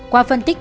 qua phân tích